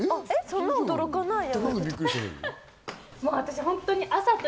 そんな驚かない。